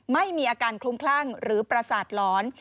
ไม่มีอาการคลุมคลั่งหรือประสาทหลอน